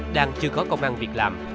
đang chưa có công an việc làm